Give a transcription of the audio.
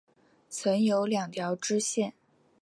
曾有两条支线。